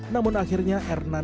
namun akhirnya erna norianti menang